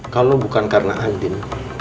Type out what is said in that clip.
kalau bukan karena andin